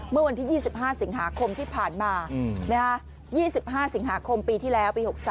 เมื่อวันที่๒๕สิงหาคมที่ผ่านมา๒๕สิงหาคมปีที่แล้วปี๖๓